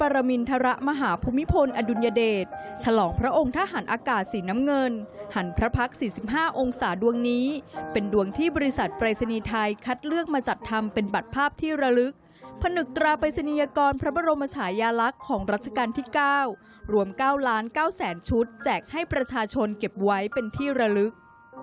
รวม๙ล้าน๙แสนชุดแจกให้ประชาชนเก็บไว้เป็นที่ระลึก